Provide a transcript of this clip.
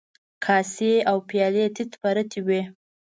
کاسې او پيالې تيت پرتې وې.